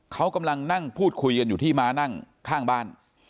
เขากำลังนั่งพูดคุยกันอยู่ที่ม้านั่งข้างบ้าน